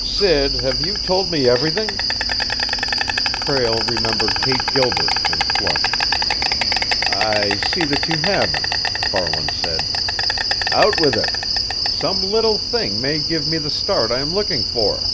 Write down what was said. "Sid, have you told me everything?" Prale remembered Kate Gilbert and flushed. "I see that you haven't," Farland said. "Out with it! Some little thing may give me the start I am looking for."